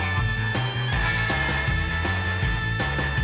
มีความเจริญกว่าสมัยก่อนมากมาย